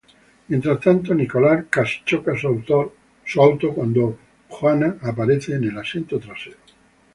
Mientras tanto, Nicholas casi choca su auto cuando Jonah aparece en el asiento trasero.